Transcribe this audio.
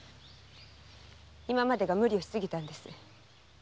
今までが無理をしすぎたんです。